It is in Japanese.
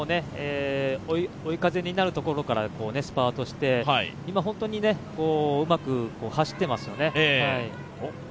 追い風になるところからスパートして、本当にうまく走っていますね。